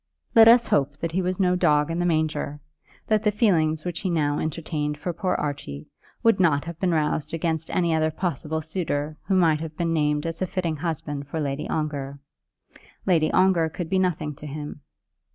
Let us hope that he was no dog in the manger; that the feelings which he now entertained for poor Archie would not have been roused against any other possible suitor who might have been named as a fitting husband for Lady Ongar. Lady Ongar could be nothing to him!